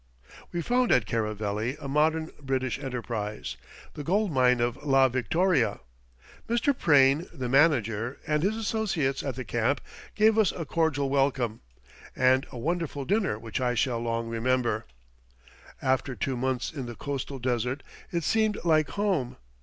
We found at Caraveli a modern British enterprise, the gold mine of "La Victoria." Mr. Prain, the Manager, and his associates at the camp gave us a cordial welcome, and a wonderful dinner which I shall long remember. After two months in the coastal desert it seemed like home.